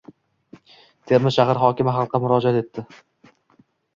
Termiz shahar hokimi xalqqa murojaat etdi